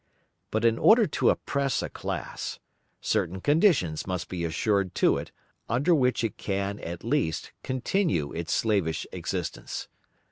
But in order to oppress a class, certain conditions must be assured to it under which it can, at least, continue its slavish existence.